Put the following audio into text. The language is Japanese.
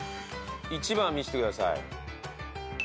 １番見してください。